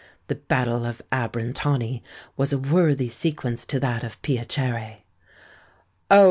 The battle of Abrantani was a worthy sequence to that of Piacere! "Oh!